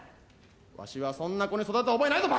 わしはそんな子に育てた覚えないぞ！